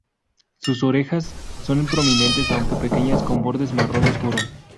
Sus orejas son prominentes, aunque pequeñas, con bordes marrón obscuro.